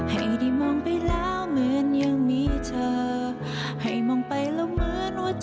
ให้มองไปแล้วเหมือนว่าเธอยังอยู่